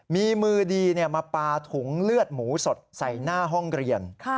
มีมือดีมาปลาถุงเลือดหมูสดใส่หน้าห้องเรียน